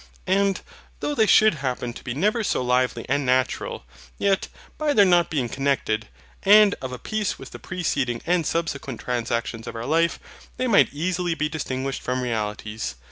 And, though they should happen to be never so lively and natural, yet, by their not being connected, and of a piece with the preceding and subsequent transactions of our lives, they might easily be distinguished from realities.